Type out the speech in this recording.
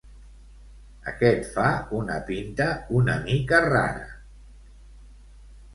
Aquest fa una pinta una mica rara.